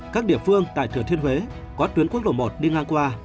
các địa phương tại thừa thiên huế có tuyến quốc lộ một đi ngang qua